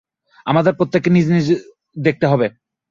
আমাদের প্রত্যেককে নিজে নিজে দেখতে হবে।